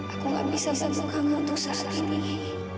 aku gak bisa sambung kamu untuk saat ini